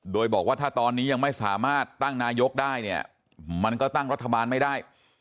โดยบอกว่าถ้าตอนนี้ยังไม่สามารถตั้งนายกได้เนี่ยมันก็ตั้งรัฐบาลไม่ได้